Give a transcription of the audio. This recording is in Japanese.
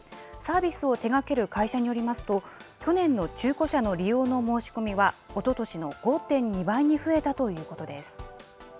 サービスを手がける会社によりますと、去年の中古車の利用の申し込みはおととしの５．２倍に増えたということです。